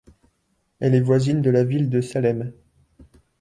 Elle est voisine de la ville de Salem.